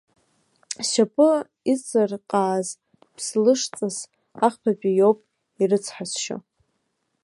Зшьапы иҵырҟааз ԥслышҵас, ахԥатәи иоуп ирыцҳасшьо.